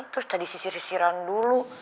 terus tadi sisir sisiran dulu